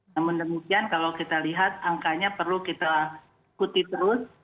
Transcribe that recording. namun demikian kalau kita lihat angkanya perlu kita ikuti terus